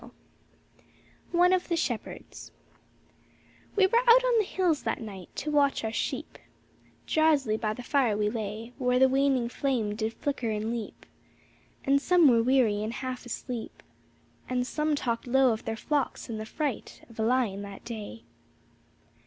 109 ONE OF THE SHEPHERDS We were out on the hills that night To watch our sheep ; Drowsily by the fire we lay Where the waning flame did flicker and leap, And some were weary and half asleep, And some talked low of their flocks and the fright Of a lion that day.